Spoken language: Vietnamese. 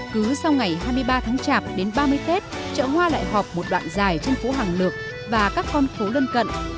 cứ sau ngày hai mươi ba tháng chạp đến ba mươi tết chợ hoa lại họp một đoạn dài trên phố hàng lược và các con phố lân cận